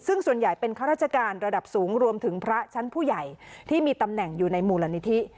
ซึ่งส่วนใหญ่เป็นข้าราชการระดับสูงรวมถึงพระชั้นผู้ใหญ่ที่มีตำแหน่งอยู่ในมูลนิธิ